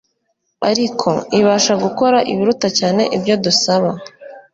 Ariko « Ibasha gukora ibiruta cyane ibyo dusaba